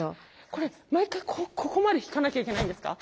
これ毎回ここまで引かなきゃいけないんですか？